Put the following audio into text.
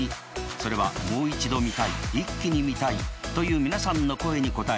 それはもう一度見たいイッキに見たいという皆さんの声に応え